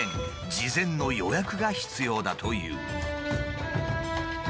事前の予約が必要だという。